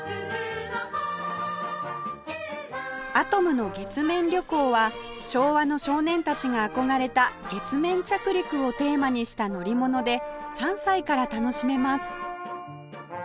アトムの月面旅行は昭和の少年たちが憧れた月面着陸をテーマにした乗り物で３歳から楽しめます